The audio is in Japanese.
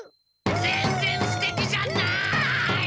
ぜんぜんすてきじゃない！